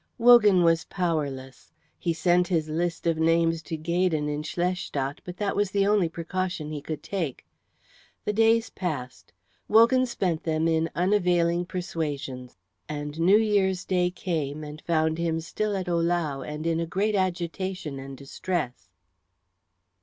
Wogan was powerless. He sent his list of names to Gaydon in Schlestadt, but that was the only precaution he could take. The days passed; Wogan spent them in unavailing persuasions, and New Year's Day came and found him still at Ohlau and in a great agitation and distress.